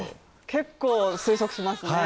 結構推測しますね。